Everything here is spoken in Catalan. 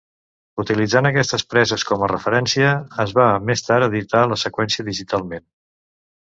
Utilitzant aquestes preses com a referència, es va més tard editar la seqüència digitalment.